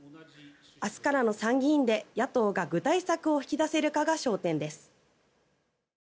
明日からの参議院で野党が具体策を引き出せるかが焦点です。